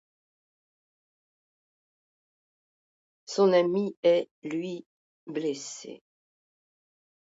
Son ami est, lui, blessé.